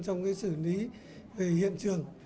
trong cái xử lý về hiện trường